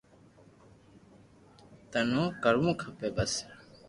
تنو ڪروہ ھي بس